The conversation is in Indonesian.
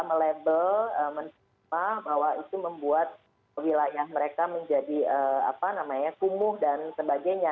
melabel bahwa itu membuat wilayah mereka menjadi apa namanya kumuh dan sebagainya